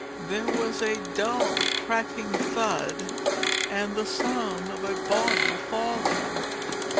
There was a dull, cracking thud, and the sound of a body falling.